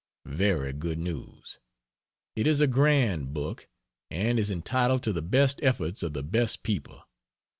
Very good news. It is a grand book, and is entitled to the best efforts of the best people.